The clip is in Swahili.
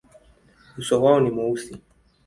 Uso wao ni mweusi.